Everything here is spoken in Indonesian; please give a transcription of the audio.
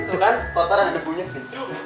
tuh kan kotoran ada bunyinya